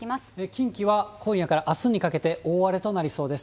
近畿は今夜からあすにかけて、大荒れとなりそうです。